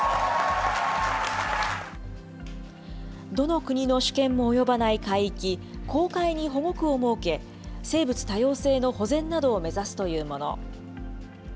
どの国の主権も及ばない海域、公海に保護区を設け、生物多様性の保全などを目指すというもの。